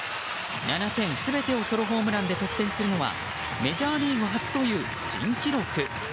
７点全てをソロホームランで得点するのはメジャーリーグ初という珍記録。